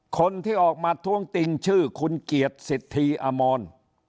คนที่ออกมาท้วงติงชื่อคุณเกียรติสิทธิอมร